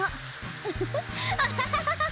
ウフフアハハハハ！